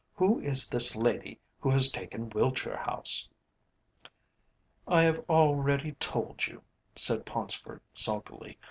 Who is this lady who has taken Wiltshire House?" "I have already told you," said Paunceford sulkily.